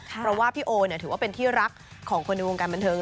เพราะว่าพี่โอถือว่าเป็นที่รักของคนในวงการบันเทิง